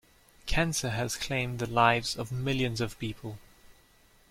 Cancer has claimed the lives of millions of people.